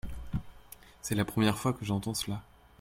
c'est la première fois que j'entends cela.